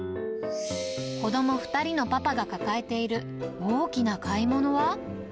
子ども２人のパパが抱えている大きな買い物は。